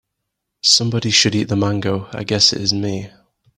Somebody should eat the mango, I guess it is me.